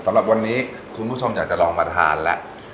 สำหรับวันนี้คุณผู้ชมอยากจะลองมาทานแล้ว